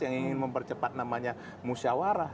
yang ingin mempercepat namanya musyawarah